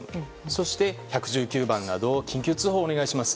そして、１１９番など緊急通報をお願いします。